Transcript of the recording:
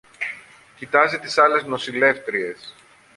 Κοιτάζει τις άλλες νοσηλεύτριες